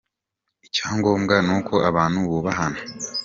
Icya ngombwa ni uko abantu bubahana.